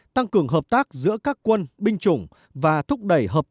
tăng cường hợp tác giữa các quân binh chủng và thúc đẩy các cơ chế đối thoại